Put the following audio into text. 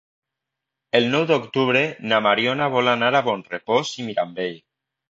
El nou d'octubre na Mariona vol anar a Bonrepòs i Mirambell.